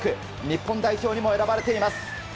日本代表にも選ばれています。